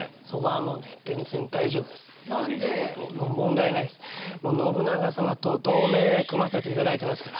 もう信長様と同盟組ませていただいてますから。